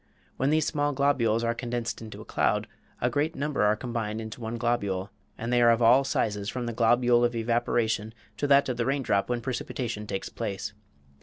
When these small globules are condensed into cloud a great number are combined into one globule, and they are of all sizes, from the globule of evaporation to that of the raindrop when precipitation takes place.